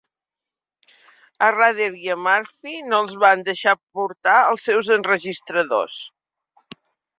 A Rather i a Murphy no els van deixar portar els seus enregistradors.